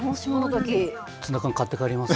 ツナ缶買って帰ります。